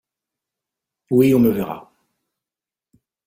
Oui, on me verra.